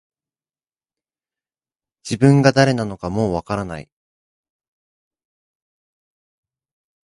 自分が誰なのかもう分からない